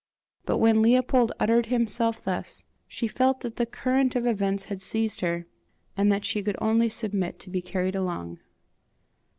But when Leopold uttered himself thus, she felt that the current of events had seized her, and that she could only submit to be carried along.